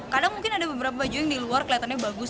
kadang mungkin ada beberapa baju yang di luar kelihatannya bagus